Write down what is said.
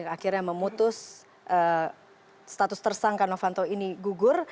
akhirnya memutus status tersangka novanto ini gugur